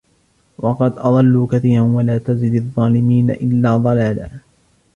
وقد أضلوا كثيرا ولا تزد الظالمين إلا ضلالا